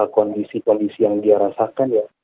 kondisi kondisi yang dia rasakan ya